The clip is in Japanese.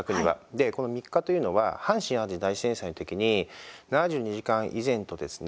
で、この３日というのは阪神・淡路大震災の時に７２時間以前とですね